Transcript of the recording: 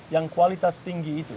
yang kualitas tinggi itu